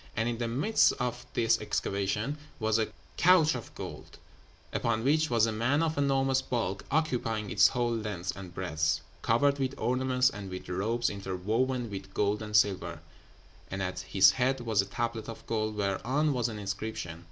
And in the midst of this excavation was a couch of gold, upon which was a man of enormous bulk, occupying its whole length and breadth, covered with ornaments and with robes interwoven with gold and silver; and at his head was a tablet of gold, whereon was an inscription.